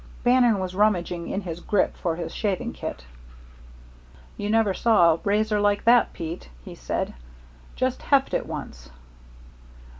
Bannon was rummaging in his grip for his shaving kit. "You never saw a razor like that, Pete," he said. "Just heft it once."